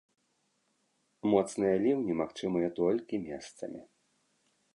Моцныя ліўні магчымыя толькі месцамі.